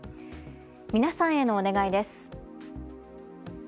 皆さんへのお願いです。